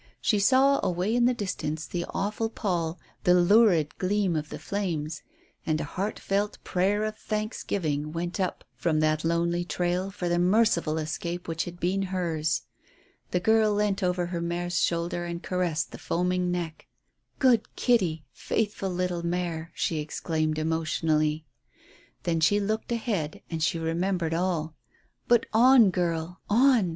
She saw away in the distance the awful pall, the lurid gleam of the flames; and a heartfelt prayer of thanksgiving went up from that lonely trail for the merciful escape which had been hers. The girl leant over her mare's shoulder and caressed the foaming neck. "Good Kitty, faithful little mare," she exclaimed emotionally. Then she looked ahead and she remembered all. "But on, girl, on.